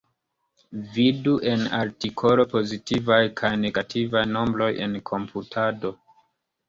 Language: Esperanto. Vidu en artikolo pozitivaj kaj negativaj nombroj en komputado.